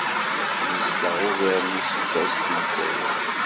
Nezdeɣ ugar n useggas deg Ldzayer.